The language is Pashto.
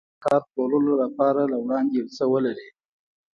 کارګر باید د کار پلورلو لپاره له وړاندې یو څه ولري